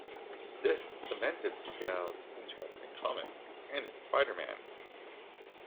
This cemented Seagle's interest in comics and in Spider-Man.